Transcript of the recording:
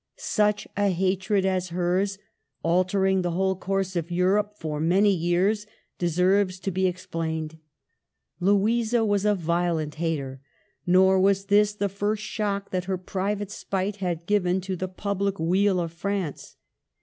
Such a hatred as hers, altering the whole course of Europe for many years, deserves to be explained. Louisa was a violent hater; nor was this the first shock that her private spite had given to the public weal of France.